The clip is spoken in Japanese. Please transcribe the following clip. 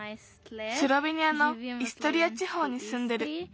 スロベニアのイストリアちほうにすんでる。